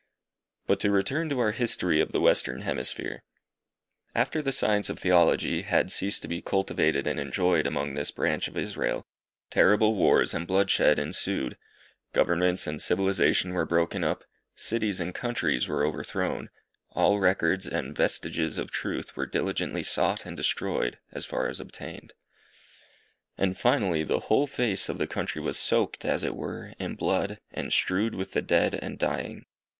But to return to our history of the western hemisphere. After the science of Theology had ceased to be cultivated and enjoyed among this branch of Israel, terrible wars and bloodshed ensued. Governments and civilization were broken up, cities and countries were overthrown, all records and vestiges of truth were diligently sought and destroyed, as far as obtained. And, finally, the whole face of the country was soaked, as it were, in blood, and strewed with the dead and dying.